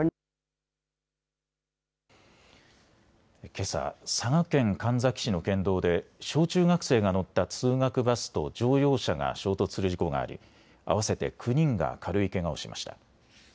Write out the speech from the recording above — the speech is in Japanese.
けさ、佐賀県神埼市の県道で小中学生が乗った通学バスと乗用車が衝突する事故があり合わせて９人が軽いけがをしました。